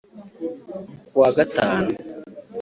Kuwa Gatanu